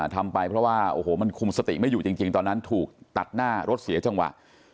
ทำไปเพราะว่าโอ้โหมันคุมสติไม่อยู่จริงตอนนั้นถูกตัดหน้ารถเสียจังหวะ